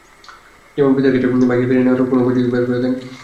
যেমন পিতার কাছে ভাইকে ফিরিয়ে নেয়ার কোন উপায় যদি বের করে দেন।